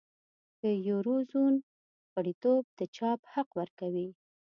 د یورو زون غړیتوب د چاپ حق ورکوي.